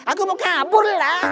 aku mau kabur lah